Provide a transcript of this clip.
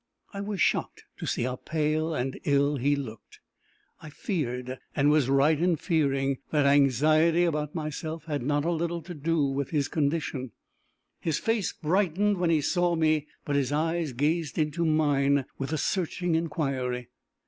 I was shocked to see how pale and ill he looked. I feared, and was right in fearing, that anxiety about myself had not a little to do with his condition. His face brightened when he saw me, but his eyes gazed into mine with a searching inquiry.